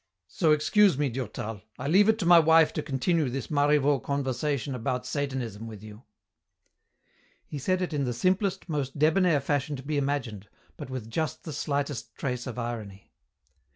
So excuse me, Durtal. I leave it to my wife to continue this Marivaux conversation about Satanism with you." He said it in the simplest, most debonair fashion to be imagined, but with just the slightest trace of irony.